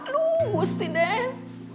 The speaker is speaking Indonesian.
lu busti deh